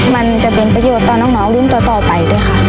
มันจะเป็นประโยชน์ต่อน้องรุ่นต่อไปด้วยค่ะ